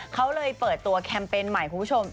เขาเลยเปิดตัวแคมเปญใหม่